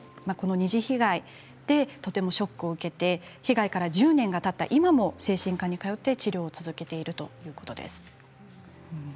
二次被害とてもショックを受けて被害から１０年がたった今も精神科に通って治療を続けているということです。